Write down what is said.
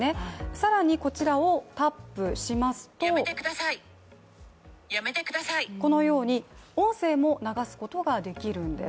更にこちらをタップしますとこのように音声も流すことができるんです。